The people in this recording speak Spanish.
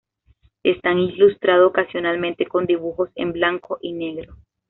Están ilustrados ocasionalmente con dibujos en blanco y negro.